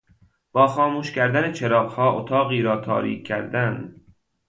با خاموش کردن چراغها اتاقی را تاریک کردن